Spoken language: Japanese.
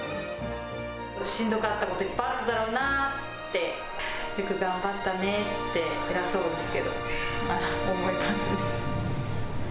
しんどかったこといっぱいあるだろうなって、よく頑張ったねーって、偉そうですけど、思いますね。